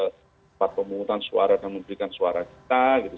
tempat pemutusan suara dan memberikan suara kita